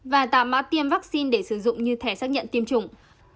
và tám mã tiêm vaccine để sử dụng như thẻ xác nhận tiêm chủng